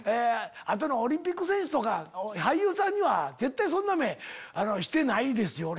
オリンピック選手とか俳優さんには絶対そんな目してないですよ俺。